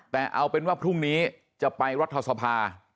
แต่เอาเป็นว่าพรุ่งนี้จะไปรัฐสภา